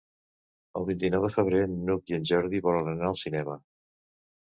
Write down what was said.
El vint-i-nou de febrer n'Hug i en Jordi volen anar al cinema.